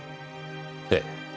ええ。